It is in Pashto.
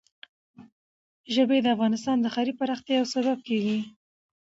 ژبې د افغانستان د ښاري پراختیا یو سبب کېږي.